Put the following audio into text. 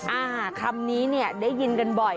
อ่าคำนี้เนี่ยได้ยินกันบ่อย